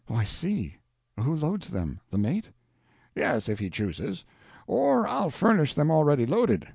"O, I see. Who loads them?—the mate?" "Yes, if he chooses. Or I'll furnish them already loaded.